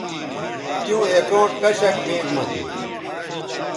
تیوں اکاؤنٹ کشک بینک مہ تھو